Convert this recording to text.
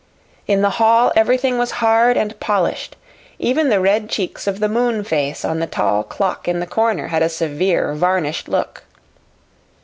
In the hall everything was hard and polished even the red cheeks of the moon face on the tall clock in the corner had a severe varnished look.